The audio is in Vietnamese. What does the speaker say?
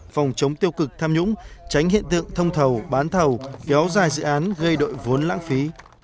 phòng chống tiêu cực tham nhũng tránh hiện tượng thông thầu bán thầu kéo dài dự án gây đội vốn lãng phí